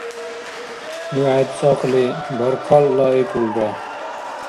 Ну хӀед цӀакьли баркаллаикӀулра!